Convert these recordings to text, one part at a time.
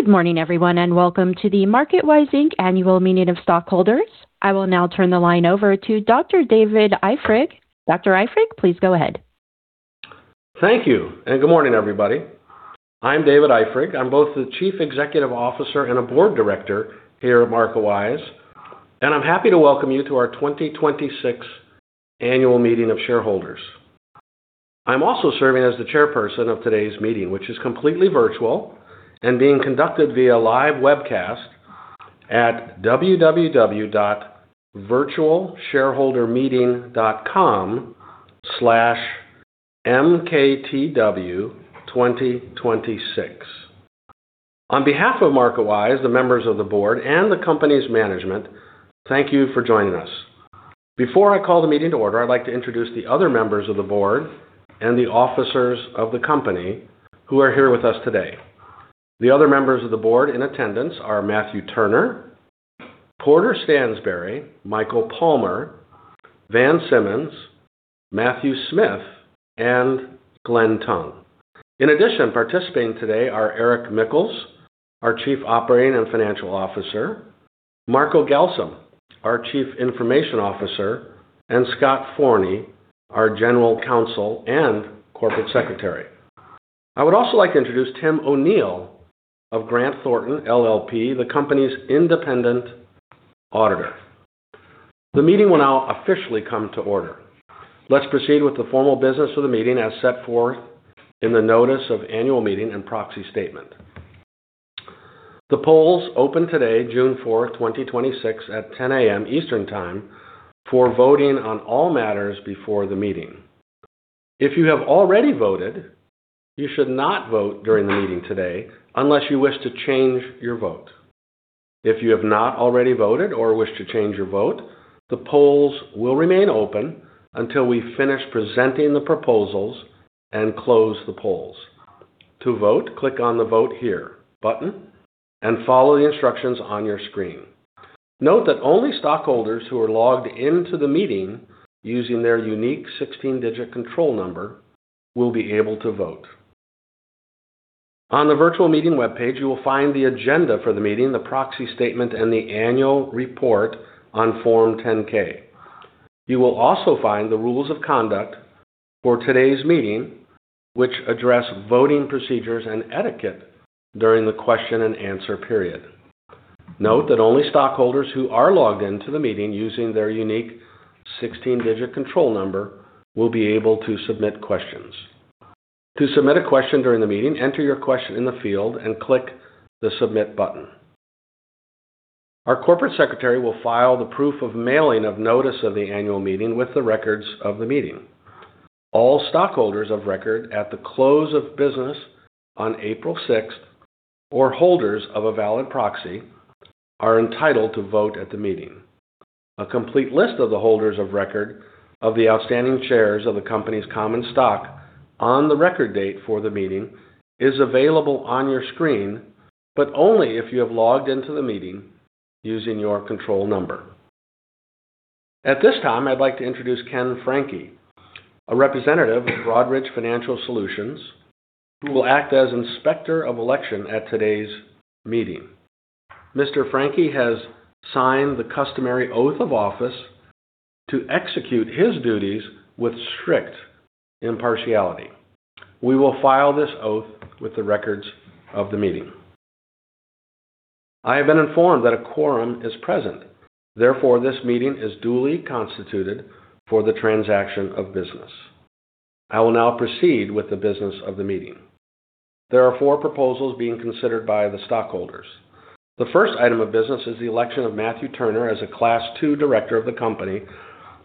Good morning everyone, and welcome to the MarketWise, Inc. Annual Meeting of Stockholders. I will now turn the line over to Dr. David Eifrig. Dr. Eifrig, please go ahead. Thank you. Good morning everybody. I'm David Eifrig. I'm both the Chief Executive Officer and a Board Director here at MarketWise. I'm happy to welcome you to our 2026 Annual Meeting of Shareholders. I'm also serving as the chairperson of today's meeting, which is completely virtual and being conducted via live webcast at www.virtualshareholdermeeting.com/mktw2026. On behalf of MarketWise, the members of the board, and the company's management, thank you for joining us. Before I call the meeting to order, I'd like to introduce the other members of the board and the officers of the company who are here with us today. The other members of the board in attendance are Matthew Turner, Porter Stansberry, Michael Palmer, Van Simmons, Matthew Smith, and Glenn Tongue. In addition, participating today are Erik Mickels, our Chief Operating and Financial Officer, Marco Galsim, our Chief Information Officer, and Scott Forney, our General Counsel and Corporate Secretary. I would also like to introduce Tim O'Neil of Grant Thornton LLP, the company's independent auditor. The meeting will now officially come to order. Let's proceed with the formal business of the meeting as set forth in the notice of annual meeting and proxy statement. The polls opened today, June 4, 2026, at 10:00 A.M. Eastern Time for voting on all matters before the meeting. If you have already voted, you should not vote during the meeting today unless you wish to change your vote. If you have not already voted or wish to change your vote, the polls will remain open until we finish presenting the proposals and close the polls. To vote, click on the Vote Here button and follow the instructions on your screen. Note that only stockholders who are logged into the meeting using their unique 16-digit control number will be able to vote. On the virtual meeting webpage, you will find the agenda for the meeting, the proxy statement, and the annual report on Form 10-K. You will also find the rules of conduct for today's meeting, which address voting procedures and etiquette during the question and answer period. Note that only stockholders who are logged into the meeting using their unique 16-digit control number will be able to submit questions. To submit a question during the meeting, enter your question in the field and click the Submit button. Our corporate secretary will file the proof of mailing of notice of the annual meeting with the records of the meeting. All stockholders of record at the close of business on April 6th or holders of a valid proxy are entitled to vote at the meeting. A complete list of the holders of record of the outstanding shares of the company's common stock on the record date for the meeting is available on your screen, but only if you have logged into the meeting using your control number. At this time, I'd like to introduce Ken Franke, a representative of Broadridge Financial Solutions, who will act as Inspector of Election at today's meeting. Mr. Franke has signed the customary oath of office to execute his duties with strict impartiality. We will file this oath with the records of the meeting. I have been informed that a quorum is present, therefore, this meeting is duly constituted for the transaction of business. I will now proceed with the business of the meeting. There are four proposals being considered by the stockholders. The first item of business is the election of Matthew Turner as a Class II Director of the company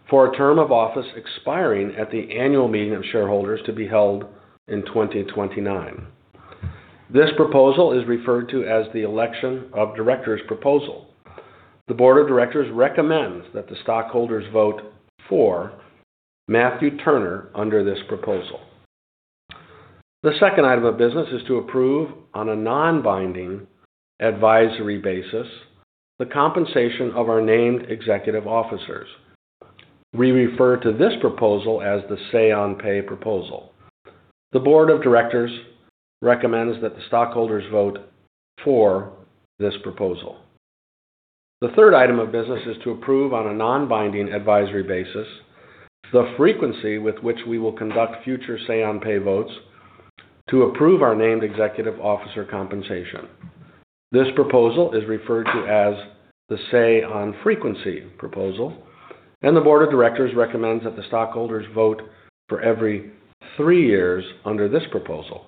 for a term of office expiring at the annual meeting of shareholders to be held in 2029. This proposal is referred to as the Election of Directors Proposal. The board of directors recommends that the stockholders vote for Matthew Turner under this proposal. The second item of business is to approve on a non-binding advisory basis the compensation of our named executive officers. We refer to this proposal as the Say on Pay Proposal. The Board of Directors recommends that the stockholders vote for this proposal. The third item of business is to approve on a non-binding advisory basis the frequency with which we will conduct future Say on Pay votes to approve our named executive officer compensation. This proposal is referred to as the Say on Frequency Proposal, and the Board of Directors recommends that the stockholders vote for every three years under this proposal.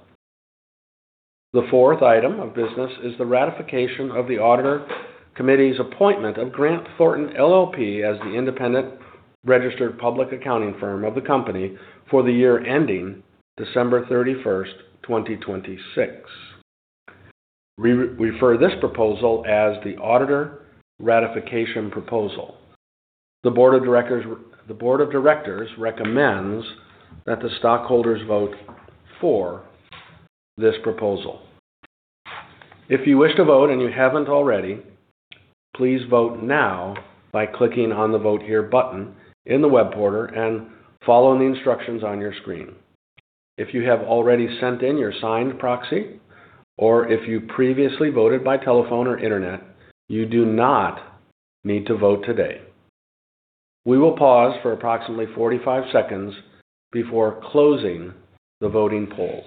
The fourth item of business is the ratification of the Auditor Committee's appointment of Grant Thornton LLP as the independent registered public accounting firm of the company for the year ending December 31st, 2026. We refer to this proposal as the Auditor Ratification Proposal. The board of directors recommends that the stockholders vote for this proposal. If you wish to vote and you haven't already, please vote now by clicking on the Vote Here button in the web portal and following the instructions on your screen. If you have already sent in your signed proxy, or if you previously voted by telephone or internet, you do not need to vote today. We will pause for approximately 45 seconds before closing the voting polls.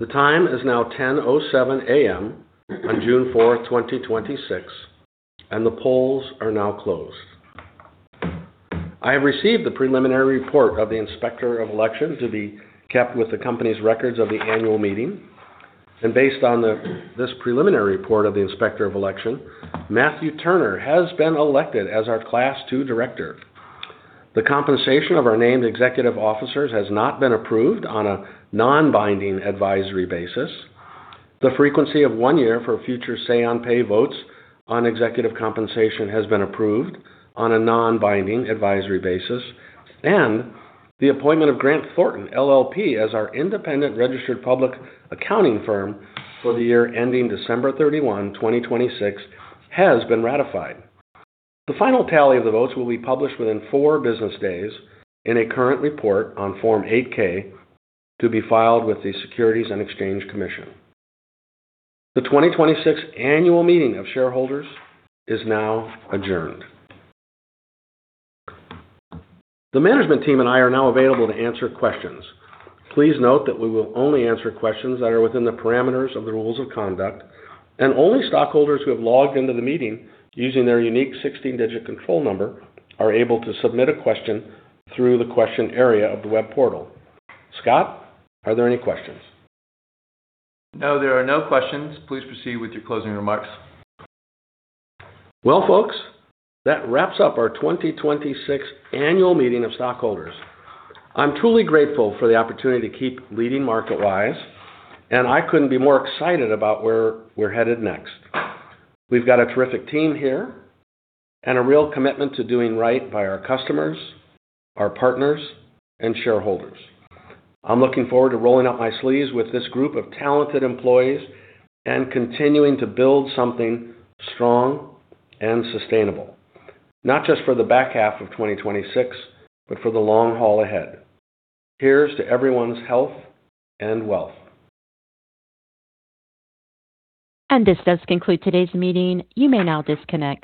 The time is now 10:07 A.M. on June 4th, 2026, and the polls are now closed. I have received the preliminary report of the Inspector of Election to be kept with the company's records of the annual meeting. Based on this preliminary report of the Inspector of Election, Matthew Turner has been elected as our Class II Director. The compensation of our named executive officers has not been approved on a non-binding advisory basis. The frequency of one year for future Say on Pay votes on executive compensation has been approved on a non-binding advisory basis. The appointment of Grant Thornton LLP as our independent registered public accounting firm for the year ending December 31, 2026, has been ratified. The final tally of the votes will be published within four business days in a current report on Form 8-K to be filed with the Securities and Exchange Commission. The 2026 Annual Meeting of Shareholders is now adjourned. The management team and I are now available to answer questions. Please note that we will only answer questions that are within the parameters of the rules of conduct, and only stockholders who have logged into the meeting using their unique 16-digit control number are able to submit a question through the question area of the web portal. Scott, are there any questions? No, there are no questions. Please proceed with your closing remarks. Well, folks, that wraps up our 2026 Annual Meeting of Stockholders. I'm truly grateful for the opportunity to keep leading MarketWise, and I couldn't be more excited about where we're headed next. We've got a terrific team here and a real commitment to doing right by our customers, our partners, and shareholders. I'm looking forward to rolling up my sleeves with this group of talented employees and continuing to build something strong and sustainable, not just for the back half of 2026, but for the long haul ahead. Here's to everyone's health and wealth. This does conclude today's meeting. You may now disconnect.